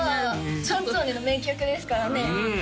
カンツォーネの名曲ですからねうん